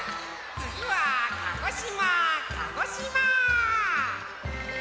つぎは鹿児島鹿児島！